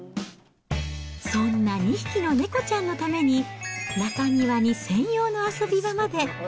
そんな２匹の猫ちゃんのために、中庭に専用の遊び場まで。